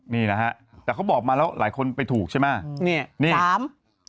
นี่นะฮะแต่เขาบอกมาแล้วหลายคนไปถูกใช่ไหม